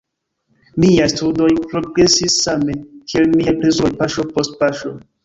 Miaj studoj progresis same, kiel miaj plezuroj, paŝo post paŝo.